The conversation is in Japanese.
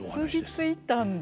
結び付いたんだ。